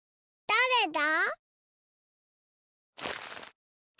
だれだ？